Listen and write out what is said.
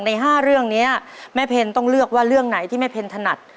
ใน๕เรื่องนี้แม่เพนต้องเลือกว่าเรื่องไหนที่แม่เพนถนัด